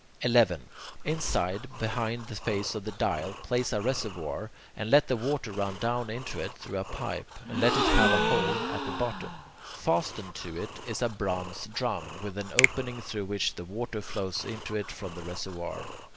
11. Inside, behind the face of the dial, place a reservoir, and let the water run down into it through a pipe, and let it have a hole at the bottom. Fastened to it is a bronze drum with an opening through which the water flows into it from the reservoir.